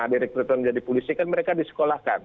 direktur menjadi polisi kan mereka disekolahkan